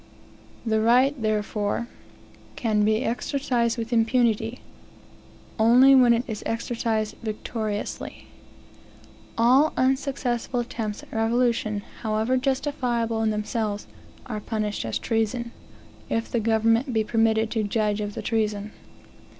The right, therefore, can be exercised with impunity, only when it is exercised victoriously. All unsuccessful attempts at revolution, however justifiable in themselves, are punished as treason, if the government be permitted to judge of the treason.